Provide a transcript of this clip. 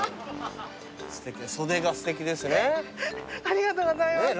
ありがとうございます。